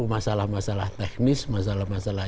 masalah masalah teknis masalah masalah